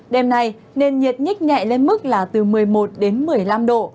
đêm nay nền nhiệt nhích nhẹ lên mức là từ một mươi một đến một mươi năm độ